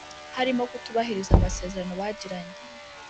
harimo kutubahiriza amasezerano bagiranye